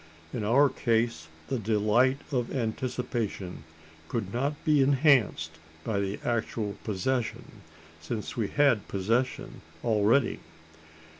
In our case, the delight of anticipation could not be enhanced by actual possession: since we had possession already.